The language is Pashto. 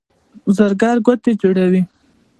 زرګر ګوتې جوړوي.